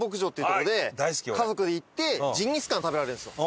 家族で行ってジンギスカン食べられるんですよ。